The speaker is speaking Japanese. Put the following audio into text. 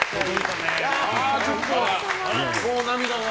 ちょっともう涙が。